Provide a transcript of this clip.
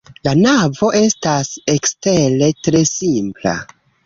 La navo estas ekstere tre simpla.